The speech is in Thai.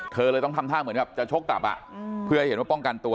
เธอเลยต้องทำท่าเหมือนกับจะชกกลับเพื่อให้เห็นว่าป้องกันตัว